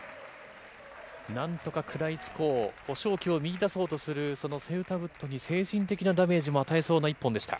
なんとか食らいつこう、勝機を見いだそうとするそのセウタブットに精神的なダメージも与えそうな一本でした。